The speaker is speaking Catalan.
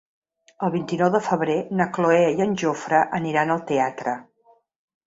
El vint-i-nou de febrer na Cloè i en Jofre aniran al teatre.